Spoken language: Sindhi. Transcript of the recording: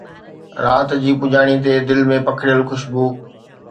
رات جي پڄاڻيءَ تي دل ۾ پکڙيل خوشبوءِ